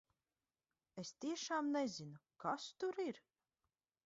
Es tiešām nezinu, kas tur ir!